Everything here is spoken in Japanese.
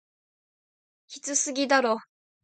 きつすぎだろ